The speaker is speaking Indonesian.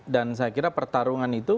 dan saya kira pertarungan itu